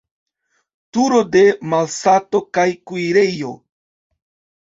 Turo de malsato kaj kuirejo.